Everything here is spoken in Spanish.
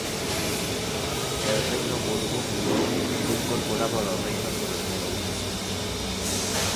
El reino burgundio fue incorporado a los reinos de los merovingios.